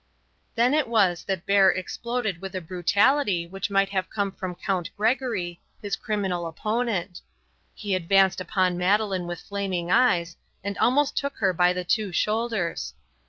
Then it was that Bert exploded with a brutality which might have come from Count Gregory, his criminal opponent. He advanced upon Madeleine with flaming eyes, and almost took her by the two shoulders.